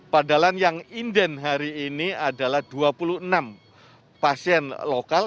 padahal yang inden hari ini adalah dua puluh enam pasien lokal